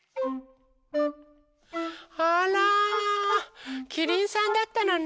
あらキリンさんだったのね。